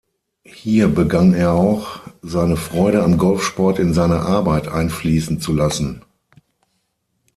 Hier begann er auch, seine Freude am Golfsport in seine Arbeit einfließen zu lassen.